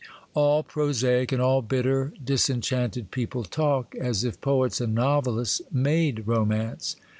All prosaic, and all bitter, disenchanted people talk as if poets and novelists made romance.